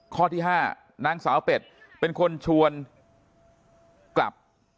ข้อที่๕นางสาวเป็ดเป็นคนชวนกลับ